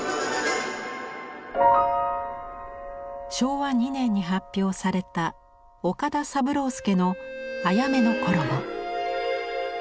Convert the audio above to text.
昭和２年に発表された岡田三郎助の「あやめの衣」。